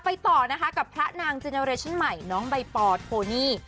ต่อนะคะกับพระนางเจเนอเรชั่นใหม่น้องใบปอโทนี่